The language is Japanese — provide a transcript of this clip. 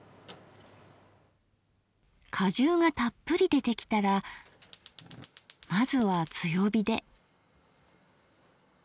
果汁がたっぷり出てきたらまずは強火で。